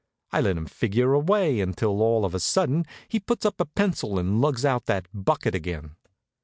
I let him figure away, until all of a sudden he puts up his pencil and lugs out that bucket again.